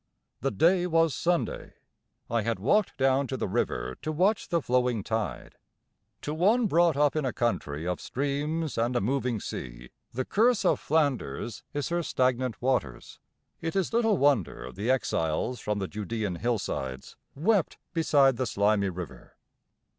The day was Sunday. I had walked down to the river to watch the flowing tide. To one brought up in a country of streams and a moving sea the curse of Flanders is her stagnant waters. It is little wonder the exiles from the Judaean hillsides wept beside the slimy River.